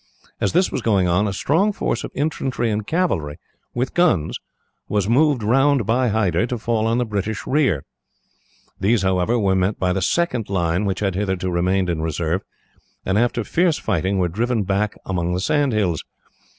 As this was going on, a strong force of infantry and cavalry, with guns, was moved round by Hyder to fall on the British rear. These, however, were met by the second line, which had hitherto remained in reserve, and after fierce fighting were driven back along the sand hills.